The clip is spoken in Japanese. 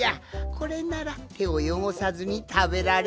これならてをよごさずにたべられるぞい。